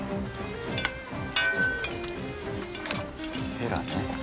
ヘラね。